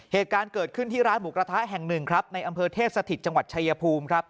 เหตุการณ์เกิดขึ้นที่ร้านหมูกระทะแห่งหนึ่งครับในอำเภอเทพสถิตจังหวัดชายภูมิครับ